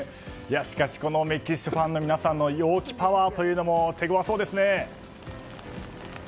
しかしメキシコファンの皆さんの陽気パワーというのも手ごわそうですね。